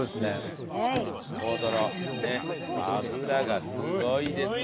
大トロねっ脂がすごいですよ。